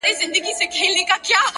رقیبي سترګي وینمه په کور کي د مُغان!